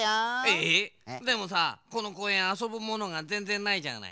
えでもさこのこうえんあそぶものがぜんぜんないじゃない。